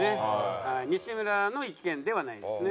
西村の意見ではないですね。